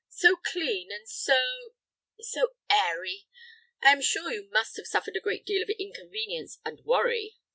So clean, and so—so airy. I am sure you must have suffered a great deal of inconvenience and worry."